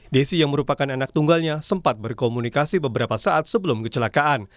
desi yang merupakan anak tunggalnya sempat berkomunikasi beberapa saat sebelum kecelakaan